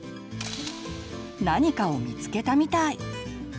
何かを見つけたみたい。